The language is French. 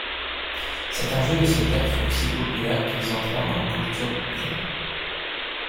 Certains jeux de cette ère furent si populaires qu'ils entrèrent dans la culture populaire.